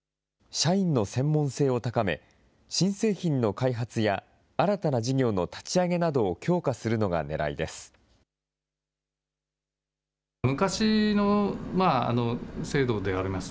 社員の専門性を高め、新製品の開発や、新たな事業の立ち上げなどを強化するのがねらいです。